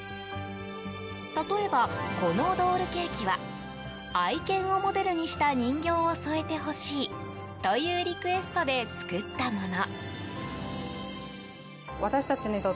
例えば、このドールケーキは愛犬をモデルにした人形を添えてほしいというリクエストで作ったもの。